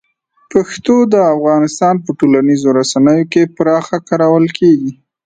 پښتو د افغانستان په ټولنیزو رسنیو کې پراخه کارول کېږي.